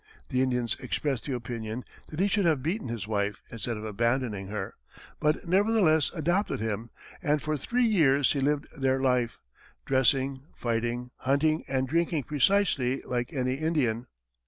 The Indians expressed the opinion that he should have beaten his wife instead of abandoning her, but nevertheless adopted him, and for three years he lived their life, dressing, fighting, hunting and drinking precisely like any Indian.